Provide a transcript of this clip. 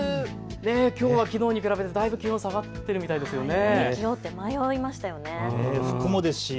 きょうはきのうに比べるとだいぶ気温が下がっているみたいですよね。